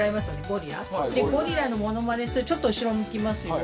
でゴリラのものまねするちょっと後ろ向きますよ。